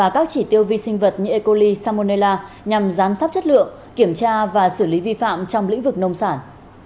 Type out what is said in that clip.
các vị sinh vật như ecoli salmonella nhằm giám sát chất lượng kiểm tra và xử lý vi phạm trong lĩnh vực nông sản